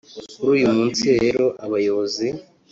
Kuri uyu munsi rero abayobozi